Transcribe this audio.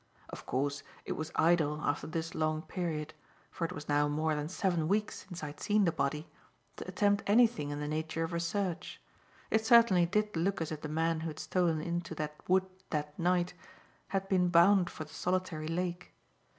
Of course, it was idle, after this long period for it was now more than seven weeks since I had seen the body to attempt anything in the nature of a search. It certainly did look as if the man who had stolen into that wood that night had been bound for the solitary lake.